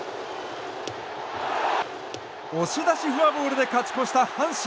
押し出しフォアボールで勝ち越した阪神。